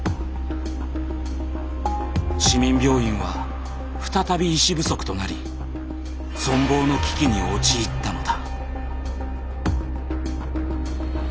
市民病院は再び医師不足となり存亡の危機に陥ったのだ。